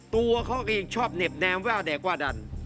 ตัวเขาเองชอบเหน็บแนมว่าวแดงว่าดัน